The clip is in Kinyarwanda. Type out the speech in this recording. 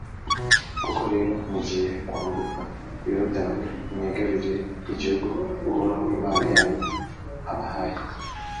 koko rero mugiye kwambuka yorudani, mwigarurire igihugu uhoraho imana yanyu abahaye: